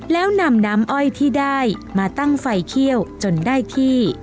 แล้วนำน้ำอ้อยที่ได้มาตั้งไฟเขี้ยวจนได้ที่